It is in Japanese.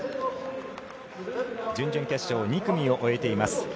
準々決勝、２組を終えています。